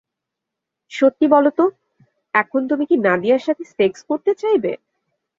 সত্যি বলো ত, এখন কি তুমি নাদিয়ার সাথে সেক্স করতে চাইবে?